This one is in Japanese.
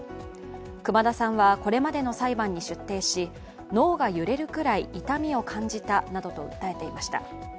熊田さんは、これまでの裁判に出廷し、脳が揺れるくらい痛みを感じたなどと訴えていました。